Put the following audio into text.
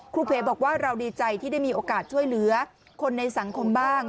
เพบอกว่าเราดีใจที่ได้มีโอกาสช่วยเหลือคนในสังคมบ้าง